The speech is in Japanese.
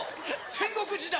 「戦国時代」！